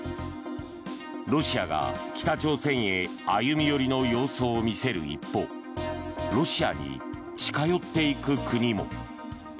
ロシアが北朝鮮へ歩み寄りの様相を見せる一方ロシアに近寄っていく国も。